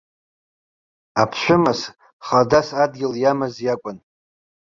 Аԥшәымас, хадас адгьыл иамаз иакәын.